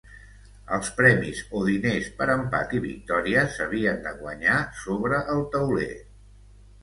Els premis o diners per empat i victòria s'havien de guanyar sobre el tauler.